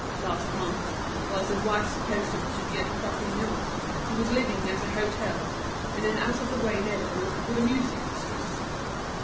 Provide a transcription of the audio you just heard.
Last month, whilst his wife supposed him to be at Perpignan, he was living at an hôtel, in an out of the way neighbourhood, with a music mistress."